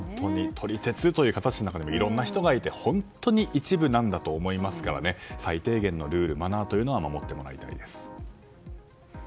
撮り鉄という形の中でもいろいろな人がいて本当に一部なんだと思いますから最低限のルール、マナーは守ってもらいたいです。